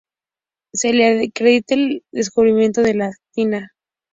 Se le acredita el descubrimiento de la actina.